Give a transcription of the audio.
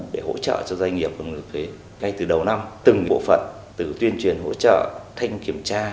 để hỗ trợ cho doanh nghiệp và người thuế ngay từ đầu năm từng bộ phận từ tuyên truyền hỗ trợ thanh kiểm tra